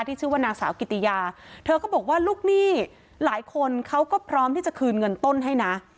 ชื่อว่านางสาวกิติยาเธอก็บอกว่าลูกหนี้หลายคนเขาก็พร้อมที่จะคืนเงินต้นให้นะ